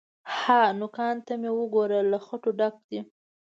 _ها! نوکانو ته مې وګوره، له خټو ډک دي.